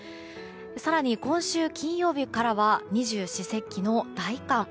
更に今週金曜日からは二十四節気の大寒。